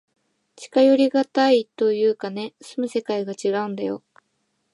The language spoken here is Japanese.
近寄りがたいというかね、住む世界がちがうんだよ。